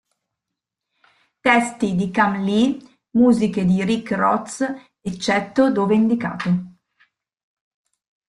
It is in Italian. Testi di Kam Lee, musiche di Rick Rozz, eccetto dove indicato.